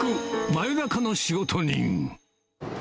真夜中の仕事人。